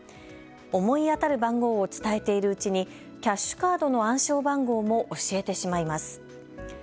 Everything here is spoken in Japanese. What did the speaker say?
思い当たる番号を伝えているうちにキャッシュカードの暗証番号も教えてしまいます。